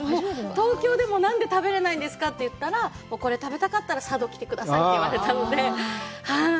東京でも何で食べれないんですかって言ったら、これ食べたかったら、佐渡へ来てくださいと言われたので、はい。